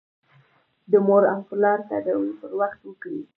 د مور او پلار تداوي پر وخت وکړئ.